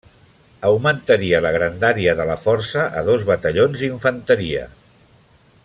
Augmentaria la grandària de la Força a dos batallons d'infanteria.